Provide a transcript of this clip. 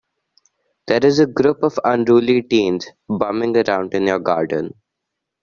There's a group of unruly teens bumming around in your garden.